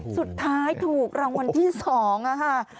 สุดท้ายถูกรางวัลที่๒ค่ะ